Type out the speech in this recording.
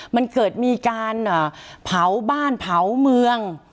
มันเกิดมีการเผาบ้านเผาเมือง